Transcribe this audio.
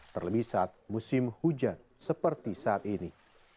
terlebih saat musim hujan seperti saat ini